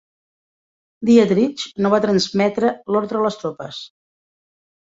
Dietrich no va transmetre l'ordre a les tropes.